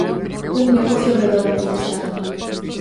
Un negocio redondo, destacan.